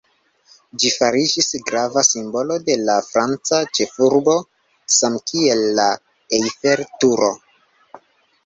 Ĝi fariĝis grava simbolo de la franca ĉefurbo, samkiel la Eiffel-Turo.